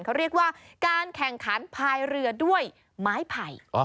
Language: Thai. เขาเรียกว่าการแข่งขันพายเรือด้วยไม้ไผ่